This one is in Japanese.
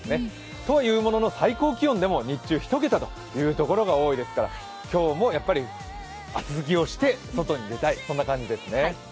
とはいうものの、最高気温でも日中一桁というところも多いですから今日も厚着をして外に出たい、そんな感じですね。